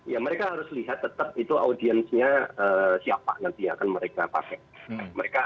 ya mereka harus lihat tetap itu audiensnya siapa nanti yang akan mereka pakai